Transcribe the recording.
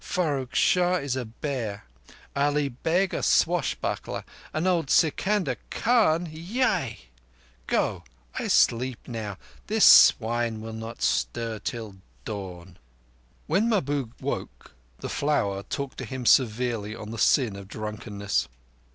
Farrukh Shah is a bear, Ali Beg a swashbuckler, and old Sikandar Khan—yaie! Go! I sleep now. This swine will not stir till dawn." When Mahbub woke, the Flower talked to him severely on the sin of drunkenness.